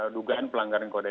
dugaan pelanggaran kode